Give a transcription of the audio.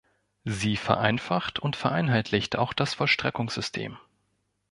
Sie vereinfacht und vereinheitlicht auch das Vollstreckungssystem.